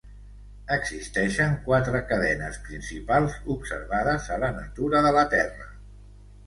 Existeixen quatre cadenes principals observades a la natura de la Terra.